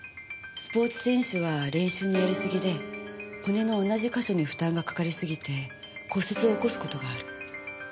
スポーツ選手は練習のやりすぎで骨の同じ箇所に負担がかかりすぎて骨折を起こす事がある。